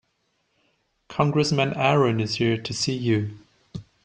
Congressman Aaron is here to see you.